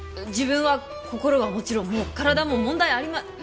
自分は心はもちろんもう体も問題ありま。